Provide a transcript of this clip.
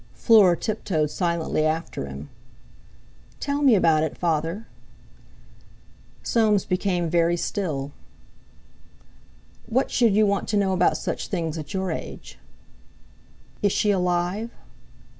Fleur tiptoed silently after him. "Tell me about it, Father!" Soames became very still. "What should you want to know about such things, at your age?" "Is she alive?"